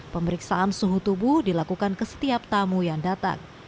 pemeriksaan suhu tubuh dilakukan ke setiap tamu yang datang